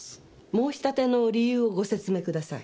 申し立ての理由をご説明ください。